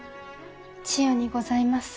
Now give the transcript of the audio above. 千世にございます。